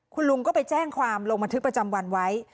คุณลุงก็ไปแจ้งความลงบันทึกประจำวันไว้